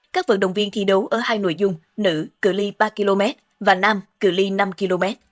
các vận động viên thi đấu ở hai nội dung nữ cửa ly ba km và nam cử ly năm km